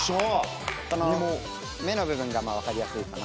この目の部分がまあ分かりやすいかな。